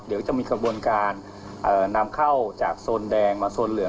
เดี๋ยวจะมีกระบวนการนำเข้าจากโซนแดงมาโซนเหลือง